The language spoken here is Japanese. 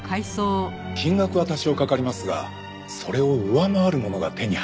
金額は多少かかりますがそれを上回るものが手に入りますから。